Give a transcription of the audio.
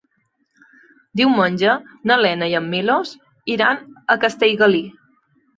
Diumenge na Lena i en Milos iran a Castellgalí.